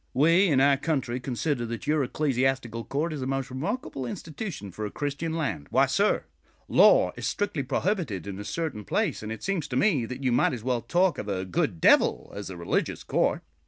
We in our country consider that your Ecclesiastical Court is a most remarkable institution for a Christian land. Why sir, law is strictly prohibited in a certain place; and it seems to me that you might as well talk of a good devil as a religious court.